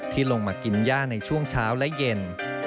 ลงมากินย่าในช่วงเช้าและเย็น